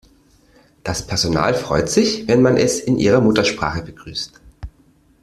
Das Personal freut sich, wenn man es in ihrer Muttersprache begrüßt.